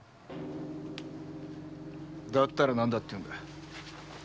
だったら何だって言うんだい。